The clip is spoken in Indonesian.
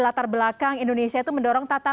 latar belakang indonesia itu mendorong tata